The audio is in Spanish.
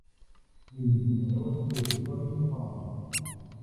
El diseñador es Tony Ong.